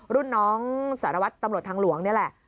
รุ่นน้องสารวัตรตำรวจทางหลวงนี่แหละ